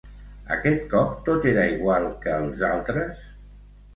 Aquest cop tot era igual que els altres?